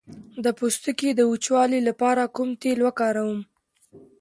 د پوستکي د وچوالي لپاره کوم تېل وکاروم؟